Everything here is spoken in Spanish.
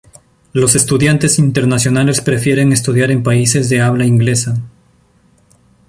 Los estudiantes internacionales prefieren estudiar en países de habla inglesa.